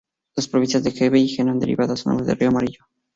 Las provincias de Hebei y Henan derivan sus nombres del río Amarillo.